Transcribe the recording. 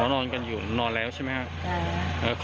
นอนกันอยู่นอนแล้วใช่ไหมครับ